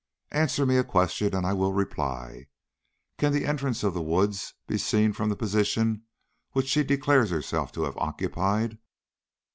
"Answer me a question and I will reply. Can the entrance of the woods be seen from the position which she declares herself to have occupied?"